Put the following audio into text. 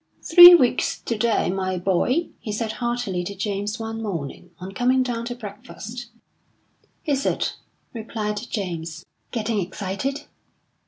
"Three weeks to day, my boy!" he said heartily to James one morning, on coming down to breakfast. "Is it?" replied James. "Getting excited?"